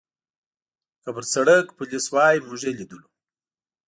که پر سړک پولیس وای، موږ یې لیدلو.